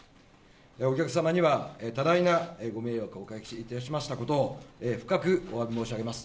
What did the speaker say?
お客様には、多大なご迷惑をおかけいたしましたことを、深くおわび申し上げます。